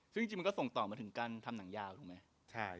ซึ่งจริงมันก็ส่งต่อมาถึงการทำหนังยาวถูกไหม